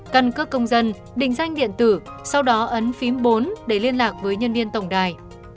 căn cước công dân định danh điện tử sau đó ấn phím bốn để liên lạc với nhân viên tổng đài